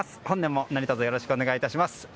本年も何とぞよろしくお願い致します。